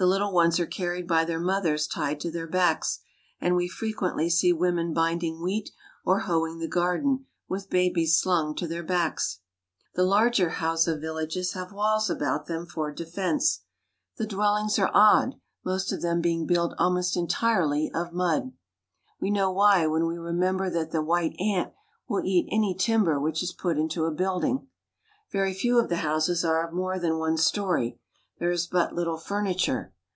The little ones are carried by their mothers tied to their; backs, and we frequently see women binding wheat or hoeing the garden with babies slung to their backs. The larger Hausa villages have walls about them for defense. The dwellings are odd, most of them being built almost entirely of mud. We know why when we remember that the white ant will eat any timber which is put into a building. Very few of the houses are of more than one story. There is but little furniture.